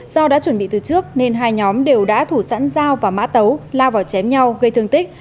do đã chuẩn bị từ trước nên hai nhóm đều đã thủ sẵn dao và mã tấu lao vào chém nhau gây thương tích